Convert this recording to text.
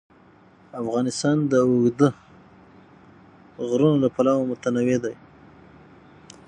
افغانستان د اوږده غرونه له پلوه متنوع دی.